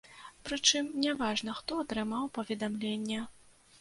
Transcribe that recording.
Прычым няважна, хто атрымаў паведамленне.